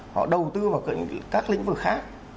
họ đầu tư vào các lĩnh vực khác